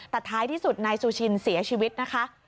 แต่ท้ายที่สุดนายซูชินเสียชีวิตนะคะ